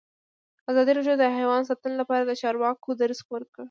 ازادي راډیو د حیوان ساتنه لپاره د چارواکو دریځ خپور کړی.